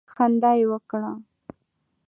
خندا یې وکړه.